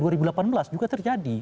dua ribu delapan belas juga terjadi